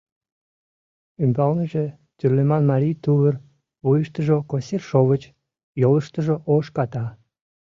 Ӱмбалныже тӱрлеман марий тувыр, вуйыштыжо косир шовыч, йолыштыжо ош ката.